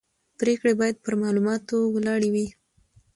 پرېکړې باید پر معلوماتو ولاړې وي